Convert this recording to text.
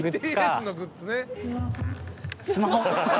スマホ？